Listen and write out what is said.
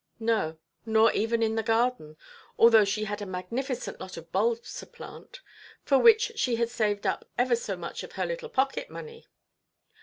No, nor even in the garden, although she had a magnificent lot of bulbs to plant, for which she had saved up ever so much of her little pocket–money.